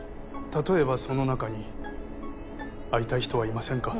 たとえばその中に会いたい人はいませんか？